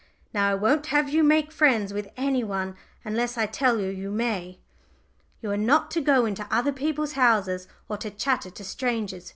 Now, I won't have you make friends with any one unless I tell you you may. You are not to go into other people's houses or to chatter to strangers.